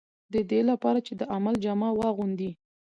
د دې لپاره چې د عمل جامه واغوندي.